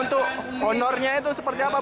untuk honornya itu seperti apa